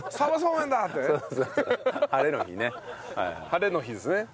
ハレの日ですね。